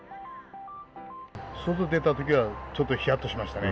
外出たときは、ちょっとひやっとしましたね。